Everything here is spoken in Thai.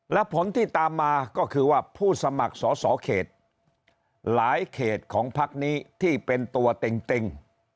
และผลที่ตามมาก็คือว่าผู้สมัครสอสอเขตหลายเขตของพักนี้ที่เป็นตัวเต็ง